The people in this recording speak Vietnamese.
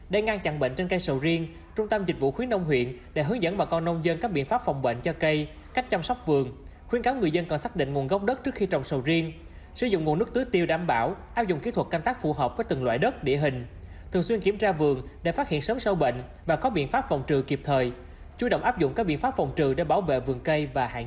để ngăn chặn bệnh trên cây sầu riêng trung tâm dịch vụ khuyến nông huyện đã hướng dẫn bà con nông dân các biện pháp phòng bệnh cho cây cách chăm sóc vườn khuyến cáo người dân còn xác định nguồn gốc đất trước khi trồng sầu riêng sử dụng nguồn nước tưới tiêu đảm bảo áp dụng kỹ thuật canh tác phù hợp với từng loại đất địa hình thường xuyên kiểm tra vườn để phát hiện sớm sâu bệnh và có biện pháp phòng trừ kịp thời chú động áp dụng các biện pháp phòng trừ để bảo vệ vườn cây và hạn